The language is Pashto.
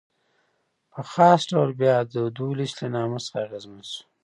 په خاص ډول بیا د دولچ له نامه څخه اغېزمن شو.